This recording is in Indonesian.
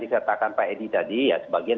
dikatakan pak edi tadi ya sebagian